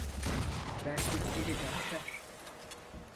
Belki bini de aşar.